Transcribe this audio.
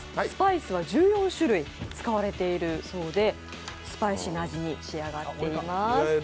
スパイスは１４種類使われているそうでスパイシーな味に仕上がっています。